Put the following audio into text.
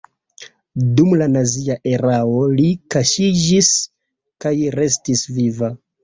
Dum la nazia erao li kaŝiĝis kaj restis viva.